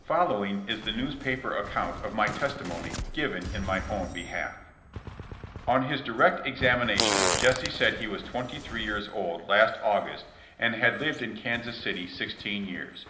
Following is the newspaper account of my testi mony given in my own behalf; On his direct examination Jesse said he was twenty three years old last August and had lived in 182 JESSB JAMBS. Kansas City sixteen years.